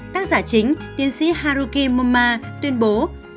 tác giả chính tiến sĩ haruki moma tuyên bố